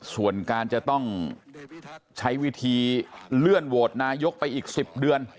ส่วนการจะต้องใช้วิธีเลื่อนโหวตนายกไปอีก๑๐เดือน